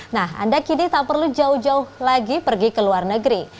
nah anda kini tak perlu jauh jauh lagi pergi ke luar negeri